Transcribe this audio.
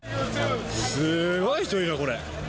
すごい人いるな、これ。